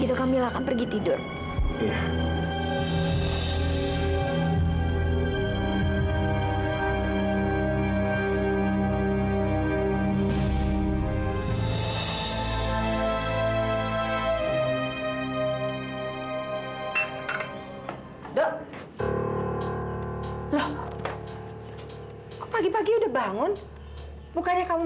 oh kamu bilang begitu dok